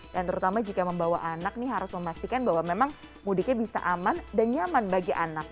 dan terutama jika membawa anak nih harus memastikan bahwa memang mudiknya bisa aman dan nyaman bagi anak